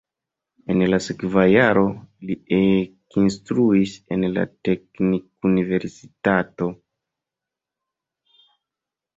En la sekva jaro li ekinstruis en la Teknikuniversitato.